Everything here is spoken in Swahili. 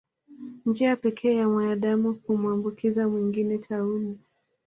Njia pekee ya mwanadamu kumwambukiza mwingine tauni